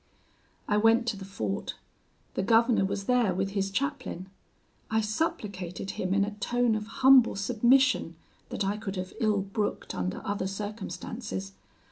"I went to the fort: the governor was there with his chaplain. I supplicated him in a tone of humble submission that I could have ill brooked under other circumstances.